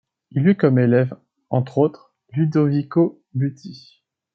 Il eut comme élève, entre autres, Ludovico Buti.